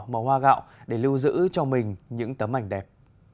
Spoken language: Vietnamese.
màu hoa gạo để lưu giữ cho mình những tấm ảnh đẹp